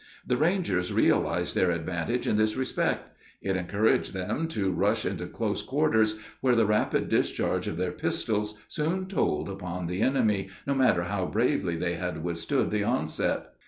The Rangers realized their advantage in this respect. It encouraged them to rush into close quarters, where the rapid discharge of their pistols soon told upon the enemy, no matter how bravely they had withstood the onset.